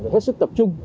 phải hết sức tập trung